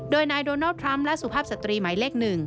โดยนายโดนัลด์ทรัมป์และสุภาพสตรีหมายเลข๑